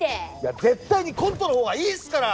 絶対にコントの方がいいですから！